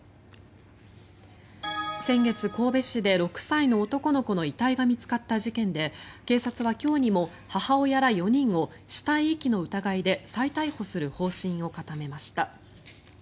先月、神戸市で６歳の男の子の遺体が見つかった事件で警察は今日にも母親ら４人を死体遺棄の疑いで再逮捕する方針を固めました。